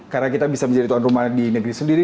karena kita bisa menjadi tuan rumah di negeri sendiri